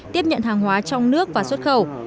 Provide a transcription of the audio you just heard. tiếp nhận hàng hóa trong nước và xuất khẩu